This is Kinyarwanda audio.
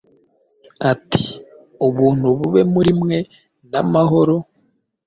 ati, “Ubuntu bube muri mwe n’amahoro,